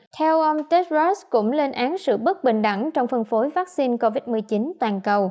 theo ông tedrost cũng lên án sự bất bình đẳng trong phân phối vaccine covid một mươi chín toàn cầu